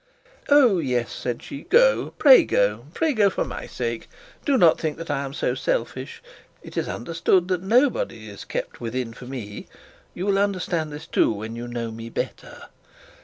'Oh, yes,' said she; 'go pray go, pray go, for my sake. Do not think that I am so selfish. It is understood that nobody is kept within for me. You will understand this too when you know me better.